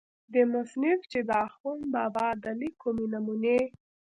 دې مصنف چې دَاخون بابا دَليک کومې نمونې